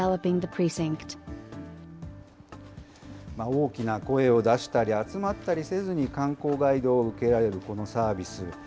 大きな声を出したり、集まったりせずに観光ガイドを受けられるこのサービス。